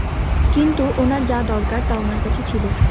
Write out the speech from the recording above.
কিন্তু ওনার যা দরকার তা ওনার কাছে ছিল।